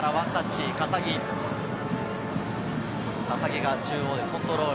笠置が中央でコントロール。